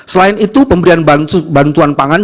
selain itu pemberian bantuan pangan